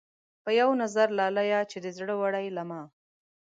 پۀ يو نظر لاليه چې دې زړۀ وړے له ما